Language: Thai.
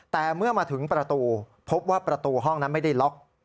แต่เมื่อมาถึงประตูพบว่าประตูห้องนั้นไม่ได้ล็อก